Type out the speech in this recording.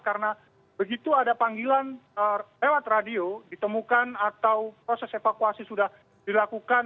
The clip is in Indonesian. karena begitu ada panggilan lewat radio ditemukan atau proses evakuasi sudah dilakukan